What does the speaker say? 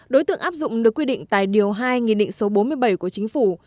đối tượng áp dụng được quy định tại điều hai nghị định số bốn mươi bảy của chính phủ